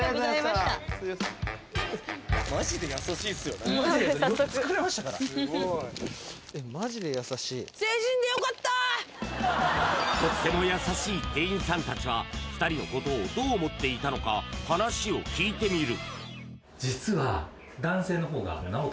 何ととっても優しい店員さん達は２人のことをどう思っていたのか話を聞いてみる